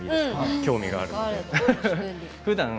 興味があるので。